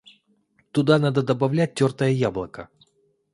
Туда надо добавлять тертое яблочко.